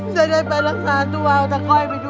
จะได้ไปรักษาตัวเอาตังคอยไปด้วย